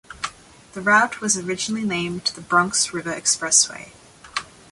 The route was originally named the Bronx River Expressway.